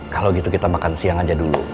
kalau gitu kita makan siang aja dulu